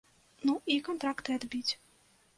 Ну і кантракты адбіць.